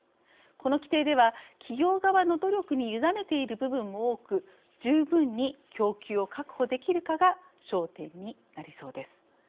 この規定では企業側の努力に委ねている部分も多く十分に供給を確保できるかが焦点になりそうです。